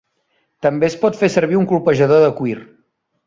També es pot fer servir un colpejador de cuir.